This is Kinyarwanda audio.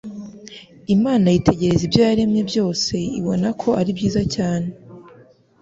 "Imana yitegereza ibyo yaremye byose ibona ko ari byiza cyane."